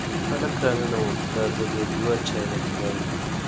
هلک را ننوت، دا ځل یې دوه چاینکې راوړې.